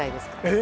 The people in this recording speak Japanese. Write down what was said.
え？